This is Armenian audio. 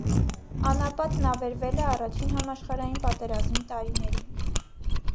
Անապատն ավերվել է առաջին համաշխարհային պատերազմի տարիներին։